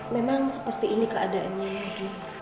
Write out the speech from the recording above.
memang seperti ini keadaannya gitu